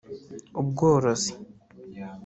ubworozi